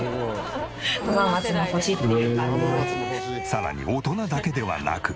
さらに大人だけではなく。